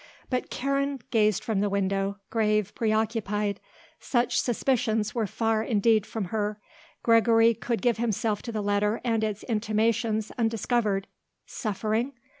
But Karen gazed from the window grave, preoccupied. Such suspicions were far indeed from her. Gregory could give himself to the letter and its intimations undiscovered. Suffering?